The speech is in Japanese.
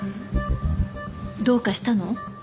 どうかしたの？